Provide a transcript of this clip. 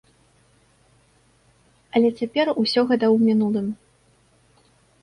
Але цяпер усё гэта ў мінулым.